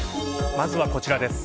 まずはこちらです。